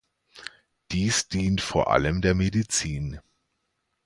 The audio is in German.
Dies dient vor allem der Medizin.